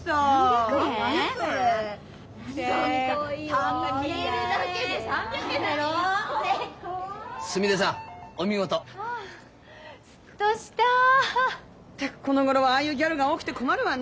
ったくこのごろはああいうギャルが多くて困るわね。